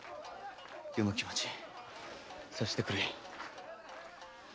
余の気持ち察してくれ。